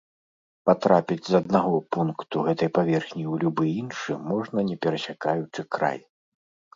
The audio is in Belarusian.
Патрапіць з аднаго пункту гэтай паверхні ў любы іншы можна, не перасякаючы край.